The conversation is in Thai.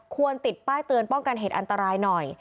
ติดป้ายเตือนป้องกันเหตุอันตรายหน่อย